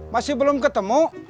masih belum ketemu